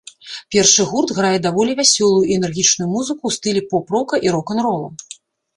Першы гурт грае даволі вясёлую і энергічную музыку ў стылі поп-рока і рок-н-рола.